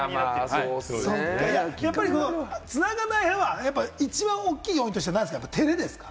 つながない派は一番大きい要因として、照れですか？